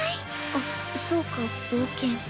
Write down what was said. あっそうか冒険。